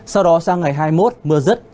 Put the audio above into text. sau đó sang ngày hai mươi một mưa rứt